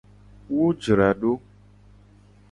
Wo jra do.